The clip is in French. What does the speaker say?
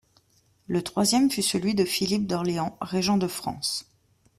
Le troisième fut celui de Philippe d'Orléans, régent de France.